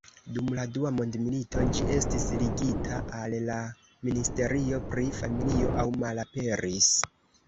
Dum la dua mondmilito, ĝi estis ligita al la ministerio pri familio aŭ malaperis.